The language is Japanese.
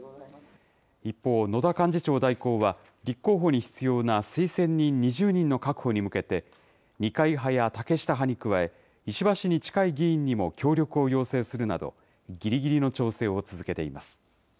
一方、野田幹事長代行は、立候補に必要な推薦人２０人の確保に向けて、二階派や竹下派に加え、石破氏に近い議員にも協力を要請するなど、ぎりぎりの調整を続けています。